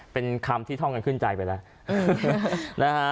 เป็นคำที่ท่องกันขึ้นใจไปแล้วนะฮะ